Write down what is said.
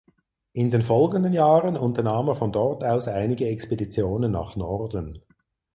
In den folgenden Jahren unternahm er von dort aus einige Expeditionen nach Norden.